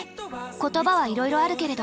言葉はいろいろあるけれど。